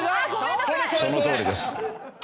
そのとおりです。